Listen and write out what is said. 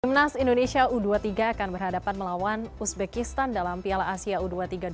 timnas indonesia u dua puluh tiga akan berhadapan melawan uzbekistan dalam piala asia u dua puluh tiga dua ribu dua